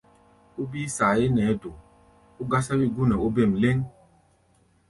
Ó bíí saayé nɛɛ́ do, ó gásáwí gú nɛ ó bêm lɛ́ŋ.